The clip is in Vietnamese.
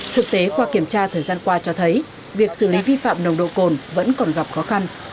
thực tế qua kiểm tra thời gian qua cho thấy việc xử lý vi phạm nồng độ cồn vẫn còn gặp khó khăn